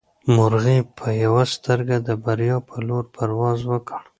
مرغۍ په یوه سترګه د بریا په لور پرواز وکړ.